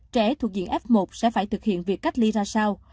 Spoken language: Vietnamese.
trẻ thuộc diện f một sẽ phải thực hiện việc cách ly ra sao